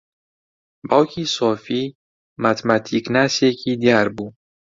باوکی سۆفی ماتماتیکناسێکی دیار بوو.